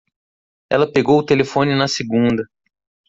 Ela pegou o telefone na segunda.